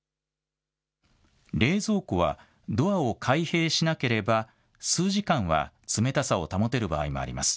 冷蔵庫はドアを開閉しなければ数時間は冷たさを保てる場合もあります。